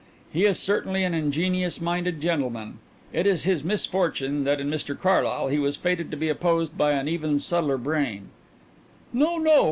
"He is certainly an ingenious minded gentleman. It is his misfortune that in Mr Carlyle he was fated to be opposed by an even subtler brain " "No, no!